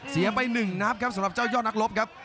ไป๑นับครับสำหรับเจ้ายอดนักรบครับ